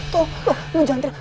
tolong lo lo jangan teriak